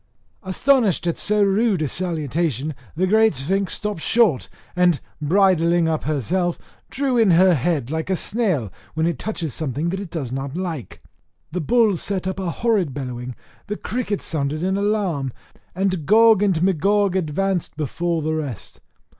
Astonished at so rude a salutation, the great Sphinx stopped short, and bridling up herself, drew in her head, like a snail when it touches something that it does not like: the bulls set up a horrid bellowing, the crickets sounded an alarm, and Gog and Magog advanced before the rest.